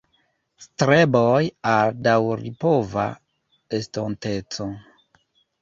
Streboj al daŭripova estonteco"".